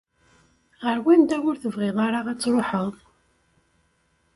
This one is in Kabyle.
Ɣer wanda ur tebɣiḍ ara ad tṛuḥeḍ?